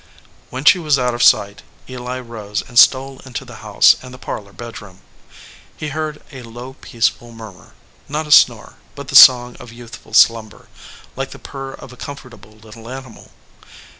When she was out of sight, Eli rose and stole into the house and the parlor bedroom. He heard a low, peaceful murmur, not a snore, but the song of youthful slumber, like the purr of a comfortable little animal.